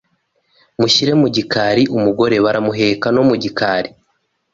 munshyire mu gikari Umugore baramuheka no mu gikari